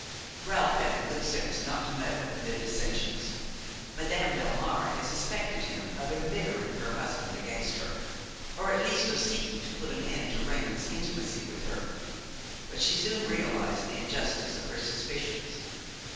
Ralph had the good sense not to meddle in their dissensions. Madame Delmare had suspected him of embittering her husband against her, or at least of seeking to put an end to Raymon's intimacy with her; but she soon realized the injustice of her suspicions.